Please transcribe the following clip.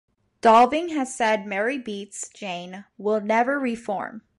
Dolving has said Mary Beats Jane will never re-form.